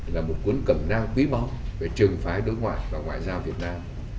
là một cuốn cầm năng quý mong về trừng phái đối ngoại và ngoại giao việt nam